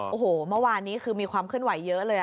โอ้โหเมื่อวานนี้คือมีความเคลื่อนไหวเยอะเลย